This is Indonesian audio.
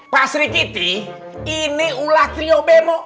pak sri kitty ini ulah trio beratnya pade